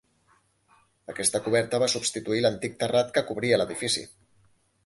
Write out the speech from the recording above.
Aquesta coberta va substituir l'antic terrat que cobria l'edifici.